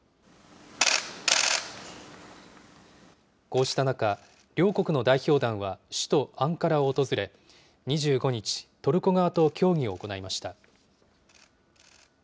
こうした中、両国の代表団は首都アンカラを訪れ、２５日、トルコ側と協議を行いました。